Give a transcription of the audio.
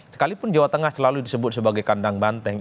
sekalipun jawa tengah selalu disebut sebagai kandang banteng